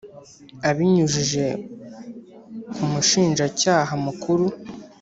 abinyujije ku Mushinjacyaha Mukuru